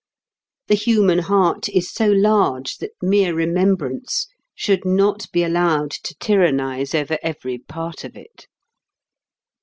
The human heart is so large that mere remembrance should not be allowed to tyrannize over every part of it.